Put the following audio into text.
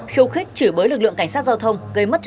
khiêu khích chửi bới lực lượng cảnh sát giao thông